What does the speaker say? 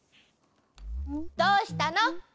どうしたの？